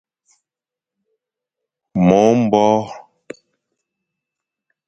Mo mbore